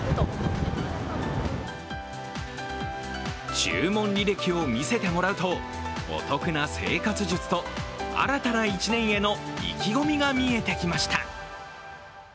注文履歴を見せてもらうとお得な生活術と新たな一年への意気込みが見えてきました。